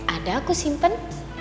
ada aku simpen